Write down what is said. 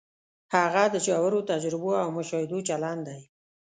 هغه د ژورو تجربو او مشاهدو چلن دی.